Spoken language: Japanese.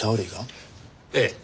ええ。